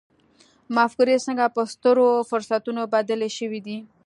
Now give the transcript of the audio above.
مفکورې څنګه په سترو فرصتونو بدلې شوې دي.